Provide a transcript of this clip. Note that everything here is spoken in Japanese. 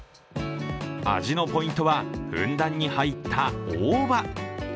味のポイントはふんだんに入った大葉。